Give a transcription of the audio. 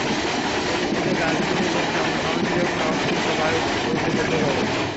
প্রতিষ্ঠিত গাছগুলি বেশ লবণ সহনশীল এবং লবণাক্ত বায়ু পর্যন্ত সহ্য করে।